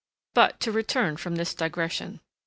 But to return from this digression.